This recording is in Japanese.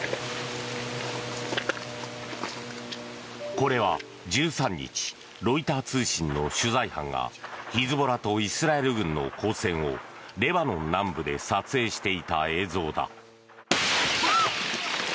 これは１３日ロイター通信の取材班がヒズボラとイスラエル軍の交戦をレバノン南部で撮影していた映像だ。